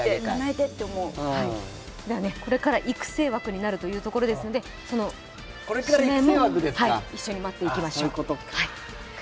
これから育成枠になるというところですので、指名も一緒に待っていきましょう。